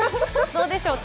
どうでしょう？